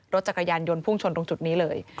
รถจักรยานยนต์พุ่งชนตรงจุดนี้เลย